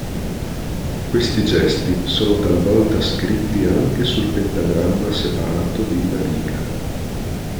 Questi gesti sono talvolta scritti anche sul pentagramma separato di una riga.